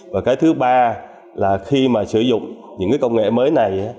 và cái thứ ba là khi mà sử dụng những cái công nghệ mới này